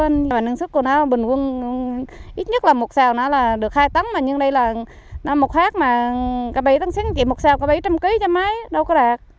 nói trước là một sào nó là được hai tấn nhưng đây là năm một khác mà cả bấy tấn sáng một sào cả bấy trăm ký cho máy đâu có đạt